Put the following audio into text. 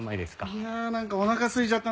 いやあなんかおなかすいちゃったな。